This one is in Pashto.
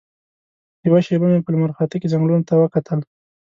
یوه شېبه مې په لمرخاته کې ځنګلونو ته وکتل.